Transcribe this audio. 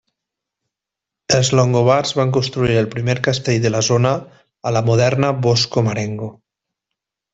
Els longobards van construir el primer castell de la zona a la moderna Bosco Marengo.